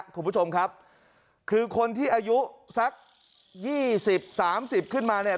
คุณผู้ชมครับคือคนที่อายุสัก๒๐๓๐ขึ้นมาเนี่ย